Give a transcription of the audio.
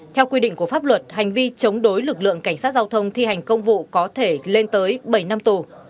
theo quy định của pháp luật hành vi chống đối lực lượng cảnh sát giao thông thi hành công vụ có thể lên tới bảy năm tù